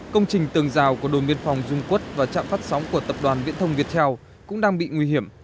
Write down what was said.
công trình tường rào của đồn biên phòng dung quốc và trạm phát sóng của tập đoàn viễn thông viettel cũng đang bị nguy hiểm